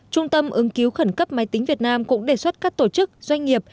trung tâm ứng cứu khẩn cấp máy tính việt nam cũng đề xuất các tổ chức doanh nghiệp